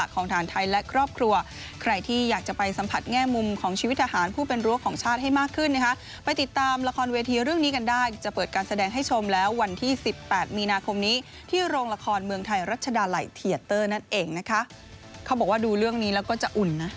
เขาบอกว่าดูเรื่องนี้แล้วก็จะอุ่นนะ